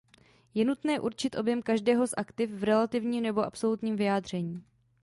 Je nutné určit objem každého z aktiv v relativním nebo absolutním vyjádření.